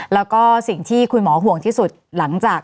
แล้วก็สิ่งที่คุณหมอห่วงที่สุดหลังจาก